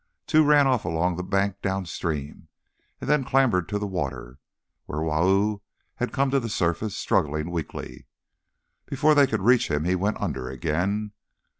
Two ran off along the bank down stream, and then clambered to the water, where Wau had come to the surface struggling weakly. Before they could reach him he went under again.